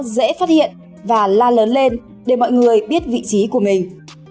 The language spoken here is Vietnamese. dễ phát hiện và la lớn lên để mọi người biết vị trí của mình